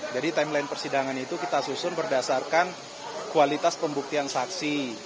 jadi timeline persidangan itu kita susun berdasarkan kualitas pembuktian saksi